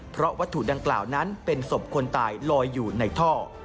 เพราะวัตถุดังกล่าวนั้นเป็นศพคนตายลอยอยู่ในท่อ